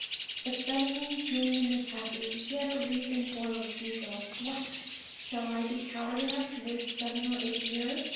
But suddenly Julien was happy. He had a reason for a refusal. What ! Shall I be coward enough to waste seven or eight years.